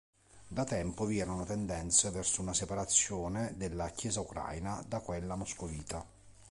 Da tempo vi erano tendenze verso una separazione della Chiesa ucraina da quella moscovita.